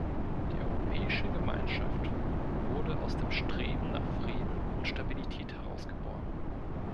Die Europäische Gemeinschaft wurde aus dem Streben nach Frieden und Stabilität heraus geboren.